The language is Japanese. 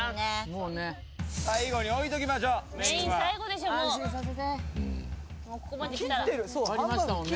もうね最後に置いときましょううん